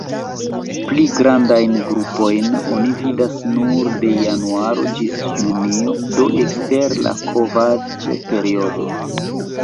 Pli grandajn grupojn oni vidas nur de januaro ĝis junio, do ekster la kovad-periodo.